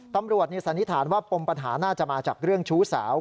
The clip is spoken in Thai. สันนิษฐานว่าปมปัญหาน่าจะมาจากเรื่องชู้สาว